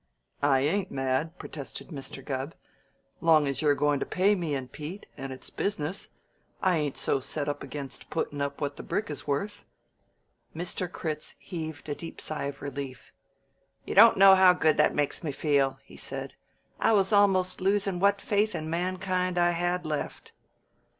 "I ain't mad," protested Mr. Gubb, "'long as you're goin' to pay me and Pete, and it's business; I ain't so set against puttin' up what the brick is worth." Mr. Critz heaved a deep sigh of relief. "You don't know how good that makes me feel," he said. "I was almost losin' what faith in mankind I had left."